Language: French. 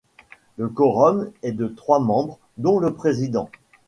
Le quorum est de trois membres, dont le président.